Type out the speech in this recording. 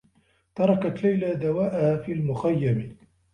تركت ليلى دواءها في المخيّم.